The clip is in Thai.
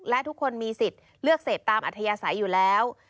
และทุกคนมีสิทธิ์เลือกเสพตามอัธยาศัยอยู่แล้ว